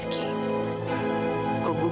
ini juga kerolokan